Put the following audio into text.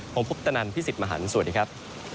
ผมพุทธนันพี่สิทธิ์มหันฯสวัสดีครับ